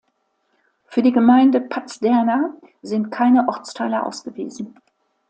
Für die Gemeinde Pazderna sind keine Ortsteile ausgewiesen.